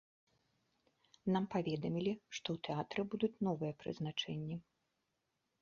Нам паведамілі, што ў тэатры будуць новыя прызначэнні.